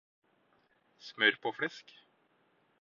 Smør på flesk